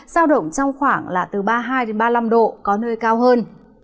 giao động trong khoảng là từ ba mươi hai ba mươi năm độ có nơi cao hơn